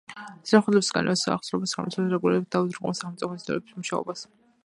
ზედამხედველობს კანონის აღსრულებას, გამოსცემს რეგულაციებს და უზრუნველყოფს სახელმწიფო ინსტიტუტების მუშაობას.